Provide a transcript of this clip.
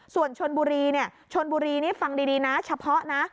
ส่วนชนบุรีชนบุรีนี่ฟังดีนะเฉพาะนะ